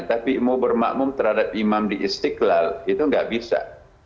tapi mau bermakmum terhadap imam di istiqlal itu nggak bisa